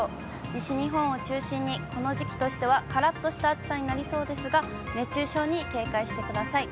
西日本を中心に、この時期としてはからっとした暑さになりそうですが、熱中症に警戒してください。